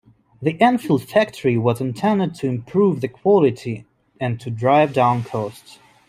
The Enfield factory was intended to improve the quality and to drive down costs.